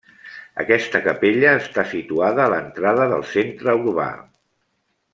Aquesta capella està situada a l'entrada del centre urbà.